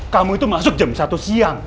kamu itu masuk jam satu siang